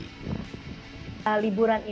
liburan ini bisa dilakukan dengan penyaluran hobi